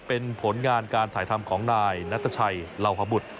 เป็นผลงานการถ่ายทำของนายนัตตาชัยลาวภะบุตร